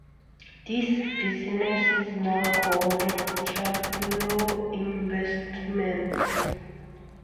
This business is now called Canpro Investments.